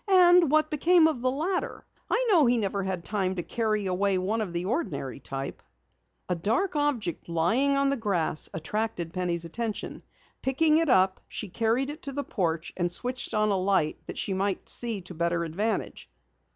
And what became of the ladder? I know he never had time to carry away one of the ordinary type." A dark object lying on the grass attracted Penny's attention. Picking it up, she carried it to the porch and switched on a light that she might see to better advantage.